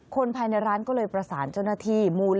คนภายในร้านก็เลยประสานเจ้าหน้าที่มูล